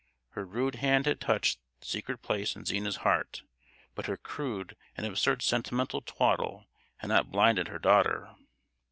Her rude hand had touched the sorest place in Zina's heart, but her crude and absurd sentimental twaddle had not blinded her daughter.